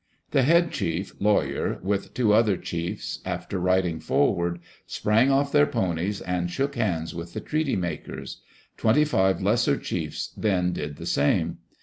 The head chief, Lawyer, with two other chiefs, after riding forward, sprang off their ponies and shook hands with the treaty makers. Twenty five lesser chiefs then did the same.